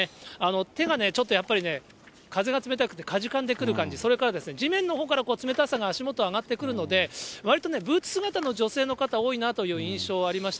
手がね、ちょっとやっぱり風が冷たくて、かじかんでくる感じ、それから地面のほうから冷たさが足元上がってくるので、わりとね、ブーツ姿の女性の方、多いなという印象ありました。